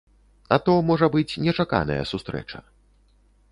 А то, можа быць нечаканая сустрэча.